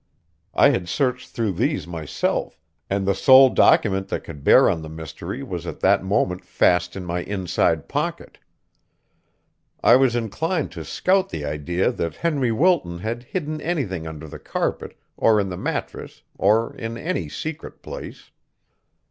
I had searched through these myself, and the sole document that could bear on the mystery was at that moment fast in my inside pocket. I was inclined to scout the idea that Henry Wilton had hidden anything under the carpet, or in the mattress, or in any secret place.